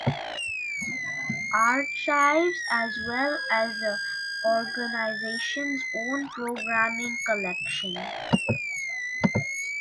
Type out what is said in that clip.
Archives, as well as the organization's own programming collection.